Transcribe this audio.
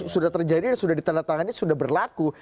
sudah terjadi sudah diterletakannya sudah berlaku